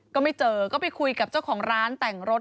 ก็ไม่เจอก็ไปคุยกับเจ้าของร้านแต่งรถ